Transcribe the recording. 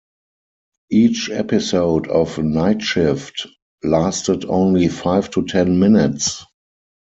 Each episode of "Night Shift" lasted only five to ten minutes.